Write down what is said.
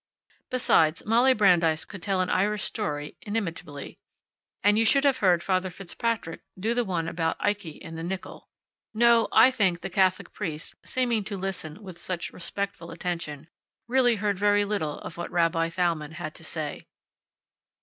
Besides, Molly Brandeis could tell an Irish story inimitably. And you should have heard Father Fitzpatrick do the one about Ikey and the nickel. No, I think the Catholic priest, seeming to listen with such respectful attention, really heard very little of what Rabbi Thalmann had to say.